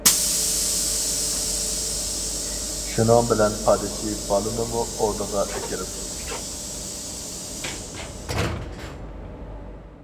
شۇنىڭ بىلەن پادىچى بالىنىمۇ ئوردىغا ئەكىرىپتۇ.